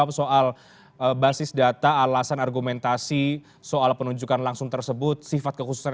dan itu salah satunya adalah tentang bagaimana kota itu kan biasanya berkembang secara langsung